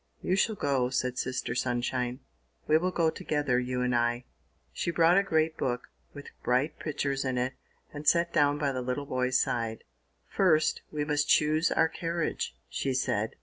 "You shall go!" said Sister Sunshine. "We will go together, you and I!" She brought a great book, with bright pictures in it, and sat down by the little boy's side. "First, we must choose our carriage!" she said.